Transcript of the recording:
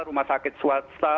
rumah sakit swasta